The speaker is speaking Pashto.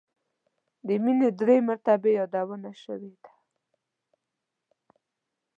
د مینې درې مرتبې یادونه شوې ده.